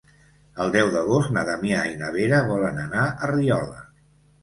El deu d'agost na Damià i na Vera volen anar a Riola.